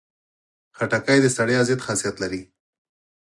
خټکی د ستړیا ضد خاصیت لري.